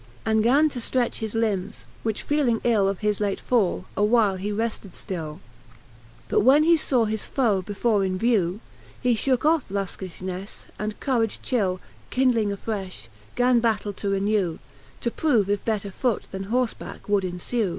And gan to ftretch his limbs; which feeling ill Of his late fall, a while he refted ftill: But when he faw his foe before in vew. He fhooke off luikifhnefle, and courage chill Kindling a frefh, gan battell to renew, To prove if better foote then horfebacke would enfew.